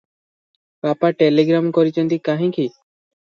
ବାପା ଟେଲିଗ୍ରାମ କରିଚନ୍ତି କାହିଁକି?